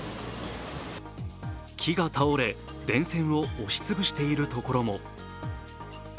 木が倒れ、電線を押し潰しているところも。